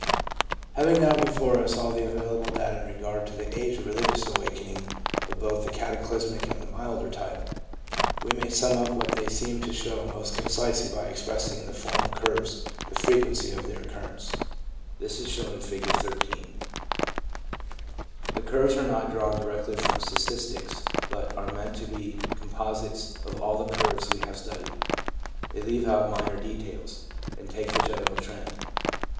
Having now before us all the available data in regard to the age of religious awakening of both the cataclysmic and the milder type, we may sum up what they seem to show most concisely by expressing in the form of curves the frequency of their occurrence. This is shown in Figure 13. 8 9 10 II 12 13 I* 15 16 17 18 19 £0 21 2.2 Figure 13. — Composite curves of religious awakenings* The curves are not drawn directly from statistics, but are meant to be composites of all the curves we have studied. They leave out minor details, and take the general trend.